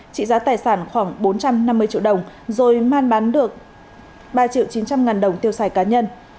trị giá tài sản khoảng bốn trăm năm mươi triệu đồng rồi man bán được ba triệu chín trăm linh ngàn đồng tiêu xài cá nhân